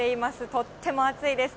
とっても暑いです。